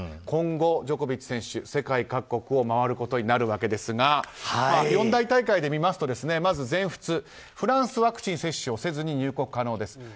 今後、ジョコビッチ選手は世界各国を周ることになるわけですが四大大会で見ますとまず、全仏フランスはワクチン接種をせずに入国可能です。